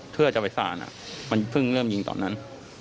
เพื่อจะไปสารมันเพิ่งเริ่มยิงตอนนั้น